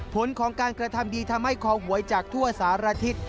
ผลของการกระทำดีทำให้คอหวยจากทั่วสารทิศ